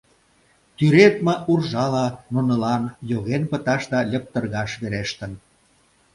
Тӱредме уржала нунылан йоген пыташ да льыптыргаш верештын.